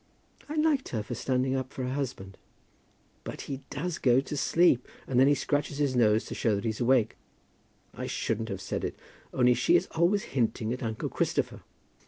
"I liked her for standing up for her husband." "But he does go to sleep, and then he scratches his nose to show that he's awake. I shouldn't have said it, only she is always hinting at uncle Christopher.